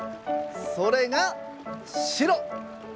それが白！